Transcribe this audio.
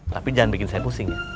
tapi jangan bikin saya pusing ya